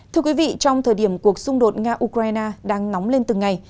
thưa quý vị trong thời điểm cuộc xung đột nga ukraine đang nóng lên từng ngày